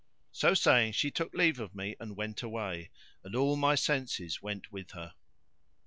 So saying, she took leave of me and went away and all my senses went with her.